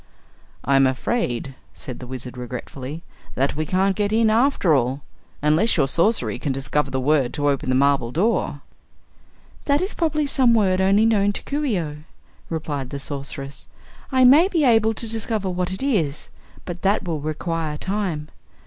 "I'm afraid," said the Wizard regretfully, "that we can't get in, after all. Unless your sorcery can discover the word to open the marble door." "That is probably some word only known to Coo ce oh," replied the Sorceress. "I may be able to discover what it is, but that will require time.